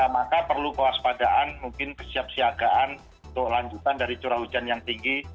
maka perlu kewaspadaan mungkin kesiapsiagaan untuk lanjutan dari curah hujan yang tinggi